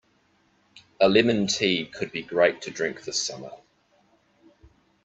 A lemon tea could be great to drink this summer.